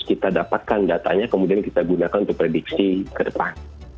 kita dapatkan datanya kemudian kita gunakan untuk prediksi ke depan